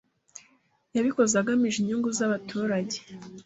Yabikoze agamije inyungu zabaturage.